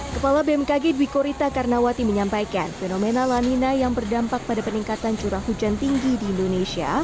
kepala bmkg dwi korita karnawati menyampaikan fenomena lanina yang berdampak pada peningkatan curah hujan tinggi di indonesia